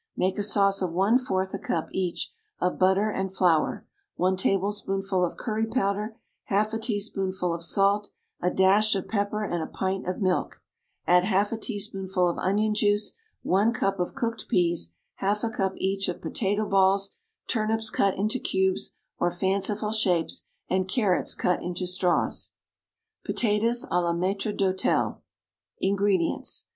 = Make a sauce of one fourth a cup, each, of butter and flour, one tablespoonful of curry powder, half a teaspoonful of salt, a dash of pepper and a pint of milk; add half a teaspoonful of onion juice, one cup of cooked peas, half a cup, each, of potato balls, turnips cut into cubes or fanciful shapes, and carrots cut into straws. =Potatoes à la Maître d'Hôtel.= INGREDIENTS.